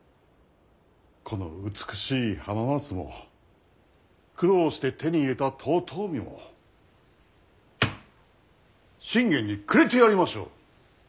この美しい浜松も苦労して手に入れた遠江も信玄にくれてやりましょう！